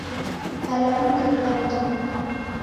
Kalamu ndeiweandika